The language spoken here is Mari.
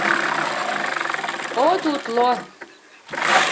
От утло!